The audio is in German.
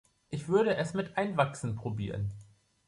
Ich würde es mit Einwachsen probieren.